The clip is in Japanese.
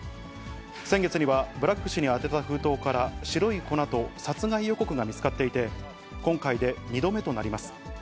先月には、ブラッグ氏に宛てた封筒から白い粉と殺害予告が見つかっていて、今回で２度目となります。